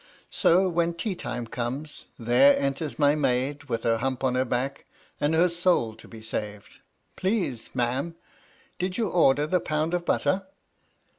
So, when tea time comes, there enters my maid with her hump on her back, and her soul to be saved. ' Please, ma'am, did you order the pound of butter